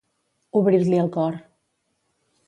Obrir-li el cor.